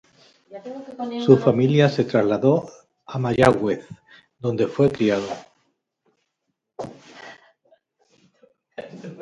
Su familia se trasladó a Mayagüez, donde fue criado.